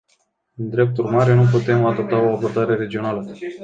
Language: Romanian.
Drept urmare, nu puteam adopta o abordare regională.